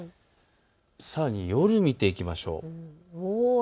さらに夜、見ていきましょう。